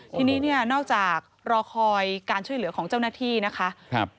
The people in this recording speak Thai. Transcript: ทีนี้เนี่ยนอกจากรอคอยการช่วยเหลือของเจ้าหน้าที่นะคะ